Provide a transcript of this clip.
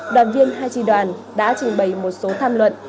đoàn viên hai tri đoàn đã trình bày một số tham luận